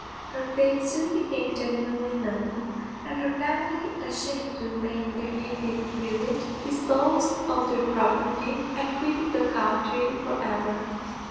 Her fate soon became generally known, and her family, ashamed to remain in their native village, disposed of their property, and quitted the country for ever.